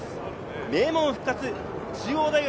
名門復活、中央大学。